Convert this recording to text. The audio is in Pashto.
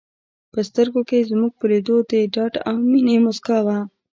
په سترګو کې یې زموږ په لیدو د ډاډ او مننې موسکا وه.